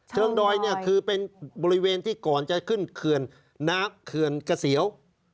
เชิงดอยคือเป็นบริเวณที่ก่อนจะขึ้นเคือนนักเคือนกระเสียว